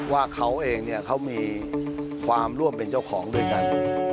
ว่าเขาเองเขามีความร่วมเป็นเจ้าของด้วยกัน